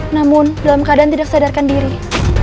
namun dalam keadaan tidak sadarkan diri